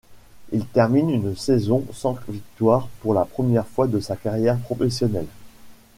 Il termine une saison sans victoires pour la première fois de sa carrière professionnelle.